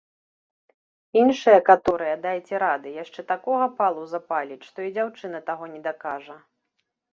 Іншая каторая, дайце рады, яшчэ такога палу запаліць, што і дзяўчына таго не дакажа!